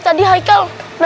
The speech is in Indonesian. tadi haikal nanda bola di sana